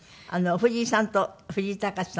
藤井さんと藤井隆さんと一緒に。